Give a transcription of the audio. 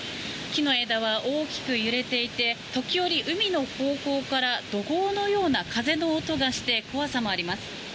木の枝は大きく揺れていて時折、海の方向から怒号のような風の音もして怖さもあります。